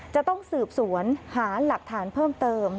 จะต้องสืบสวนหาหลักฐานเพิ่มเติม